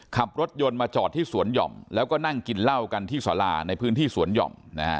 ขับรถยนต์มาจอดที่สวนหย่อมแล้วก็นั่งกินเหล้ากันที่สาราในพื้นที่สวนหย่อม